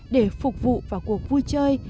để phục vụ vào cuộc vui chơi